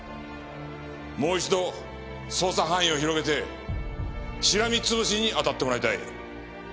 もう一度捜査範囲を広げてしらみ潰しに当たってもらいたい。